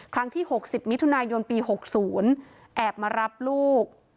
ครั้งที่หกสิบมิถุนายนปีหกศูนย์แอบมารับลูก